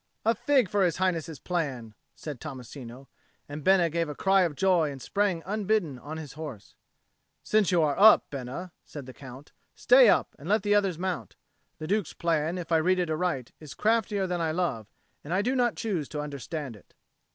"A fig for His Highness's plan!" said Tommasino; and Bena gave a cry of joy and sprang, unbidden, on his horse. "Since you are up, Bena," said the Count, "stay up, and let the others mount. The Duke's plan, if I read it aright, is craftier than I love, and I do not choose to understand it."